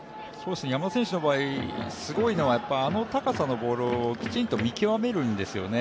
山田選手の場合、すごいのは、あの高さのボールをきちんと見極めるんですよね。